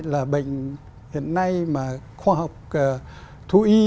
là bệnh hiện nay mà khoa học thú y